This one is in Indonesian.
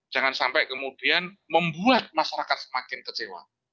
jangan sampai kemudian membuat masyarakat semakin kecewa